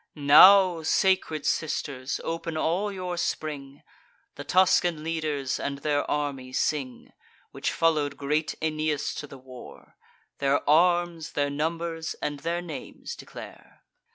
Now, sacred sisters, open all your spring! The Tuscan leaders, and their army sing, Which follow'd great Aeneas to the war: Their arms, their numbers, and their names declare.